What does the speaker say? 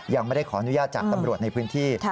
ยังไม่ได้ขออนุญาตจากตำรวจในพื้นที่